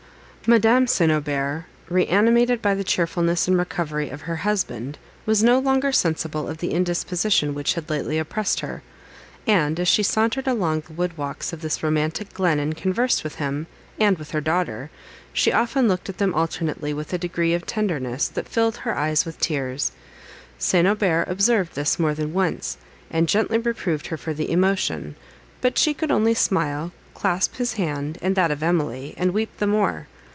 Madame St. Aubert, reanimated by the cheerfulness and recovery of her husband, was no longer sensible of the indisposition which had lately oppressed her; and, as she sauntered along the wood walks of this romantic glen, and conversed with him, and with her daughter, she often looked at them alternately with a degree of tenderness, that filled her eyes with tears. St. Aubert observed this more than once, and gently reproved her for the emotion; but she could only smile, clasp his hand, and that of Emily, and weep the more.